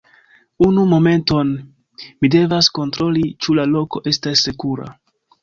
Unu momenton mi devas kontroli ĉu la loko estas sekura.